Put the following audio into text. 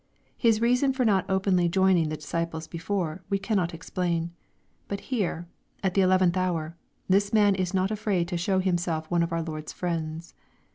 His reason for not openly joining the disciples before, we cannot ex plain. But here, at the eleventh hour, this man is not afraid to show himself one of our Lord's friends.